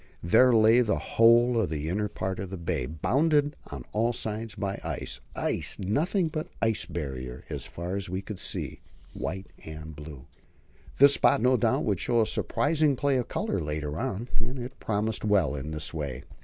There lay the whole of the inner part of the bay, bounded on all sides by ice, ice and nothing but ice Barrier as far as we could see, white and blue. This spot would no doubt show a surprising play of colour later on; it promised well in this way.